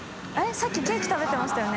さっきケーキ食べてましたよね？